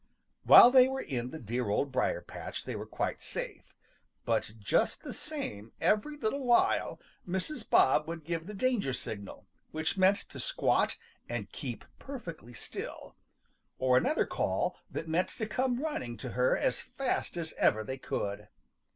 While they were in the dear Old Briar patch they were quite safe, but just the same every little while Mrs. Bob would give the danger signal, which meant to squat and keep perfectly still, or another call that meant to come running to her as fast as ever they could.